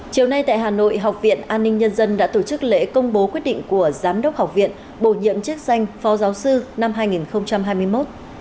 chiều nay tại hà nội học viện an ninh nhân dân đã tổ chức lễ công bố quyết định của giám đốc học viện bổ nhiệm chức danh phó giáo sư năm hai nghìn hai mươi một